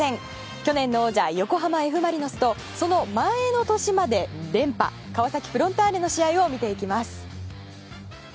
去年の王者、横浜Ｆ・マリノスとその前の年まで連覇川崎フロンターレの試合を見ていきます。